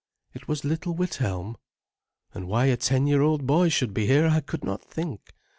It was little Withelm, and why a ten year old boy should be here I could not think.